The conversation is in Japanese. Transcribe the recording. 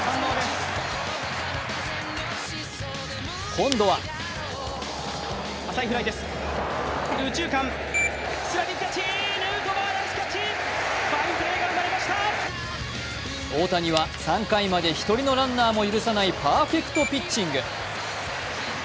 今度は大谷は３回まで１人のランナーも許さないパーフェクトピッチング。